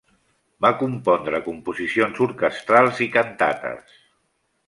Va compondre composicions orquestrals i cantates.